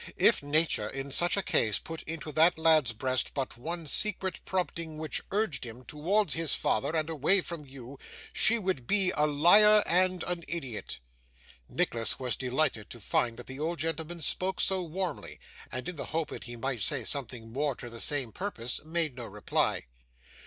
If Nature, in such a case, put into that lad's breast but one secret prompting which urged him towards his father and away from you, she would be a liar and an idiot.' Nicholas was delighted to find that the old gentleman spoke so warmly, and in the hope that he might say something more to the same purpose, made no reply.